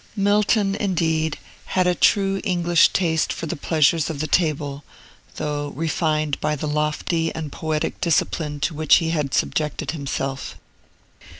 Milton, indeed, had a true English taste for the pleasures of the table, though refined by the lofty and poetic discipline to which he had subjected himself.